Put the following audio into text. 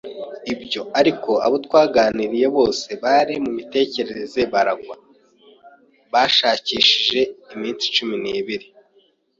ibyo, ariko abo twaganiriye bose bari mumitekerereze baragwa. Bashakishije iminsi cumi n'ibiri